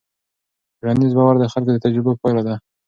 ټولنیز باور د خلکو د تجربو پایله ده.